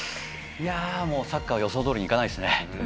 サッカーは予想どおりにいかないですね。